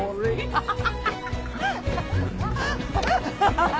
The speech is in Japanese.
アハハハ！